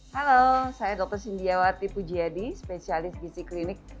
halo saya dr sindiawati pujiadi spesialis gizi klinik